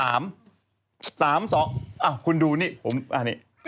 อ้าวคุณดูนี่ผมอันนี้